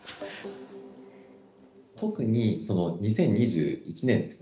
特に２０２１年ですね。